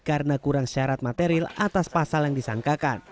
karena kurang syarat material atas pasal yang disangkakan